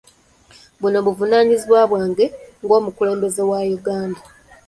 Buno buvunaanyizibwa bwange ng'omukulembeze wa Uganda